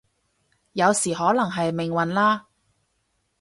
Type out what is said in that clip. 有時可能係命運啦